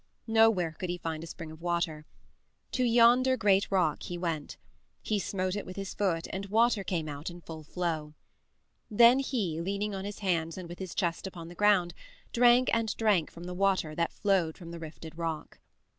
Nowhere could he find a spring of water. To yonder great rock he went. He smote it with his foot and water came out in full floe.. Then he, leaning on his hands and with his chest upon the ground, drank and drank from the water that flowed from the rifted rock.